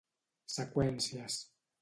Seqüències.